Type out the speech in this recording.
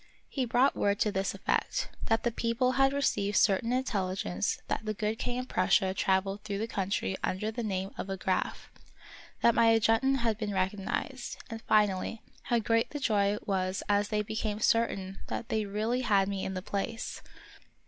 He brought word to this effect: that the people had received certain intelligence that the good king of Prussia traveled through the country under the name of a Graf; that my adjutant had been recognized; and, finally, how great the joy was as they became certain that they really had me in the place.